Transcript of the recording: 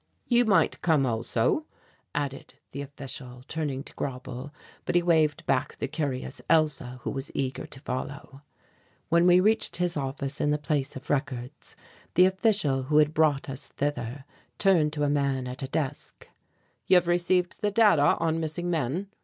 "You might come also," added the official, turning to Grauble, but he waved back the curious Elsa who was eager to follow. When we reached his office in the Place of Records, the official who had brought us thither turned to a man at a desk. "You have received the data on missing men?"